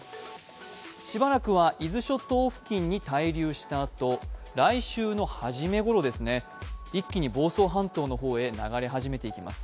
しばらくは伊豆諸島付近に滞留したあと、来週の初めごろ一気に房総半島の方に流れ始めていきます。